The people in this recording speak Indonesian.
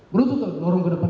berutut kau lorong ke depan